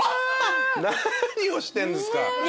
何をしてんですか。